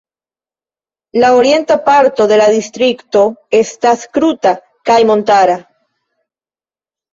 La orienta parto de la Distrikto estas kruta kaj montara.